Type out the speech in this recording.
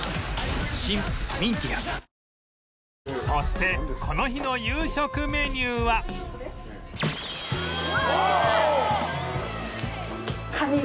そしてこの日の夕食メニューはわあ！